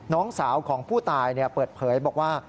น้องสาวของผู้ตายเปิดเผยบอกว่า